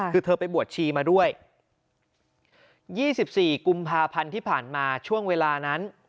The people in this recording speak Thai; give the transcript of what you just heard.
คือเธอไปบวชชีมาด้วย๒๔กุมภาพันธ์ที่ผ่านมาช่วงเวลานั้น